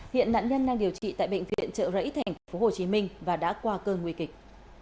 hiện nạn nhân đang điều trị tại bệnh viện trợ rẫy tp hcm và đã qua cơn nguy kịch